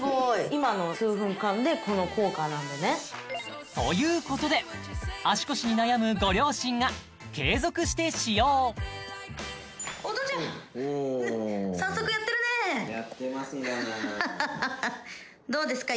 今の数分間でこの効果なんでねということで足腰に悩むご両親が継続して使用お父ちゃんおお早速やってるねやってますがなどうですか？